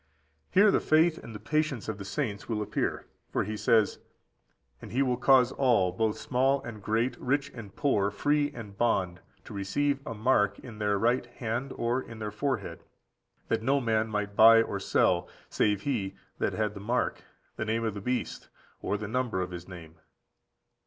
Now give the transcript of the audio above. Here the faith and the patience of the saints will appear, for he says: "And he will cause all, both small and great, rich and poor, free and bond, to receive a mark in their right hand or in their forehead; that no man might buy or sell, save he that had the mark, the name of the beast, or the number of his name."